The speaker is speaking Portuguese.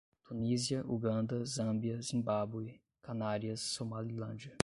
Tunísia, Uganda, Zâmbia, Zimbábue, Canárias, Somalilândia